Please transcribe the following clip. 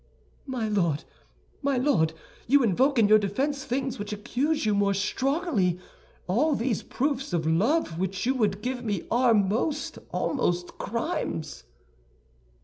"My Lord, my Lord, you invoke in your defense things which accuse you more strongly. All these proofs of love which you would give me are almost crimes."